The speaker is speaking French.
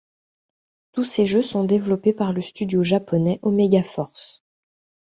Tous ces jeux sont développés par le studio japonais Omega Force.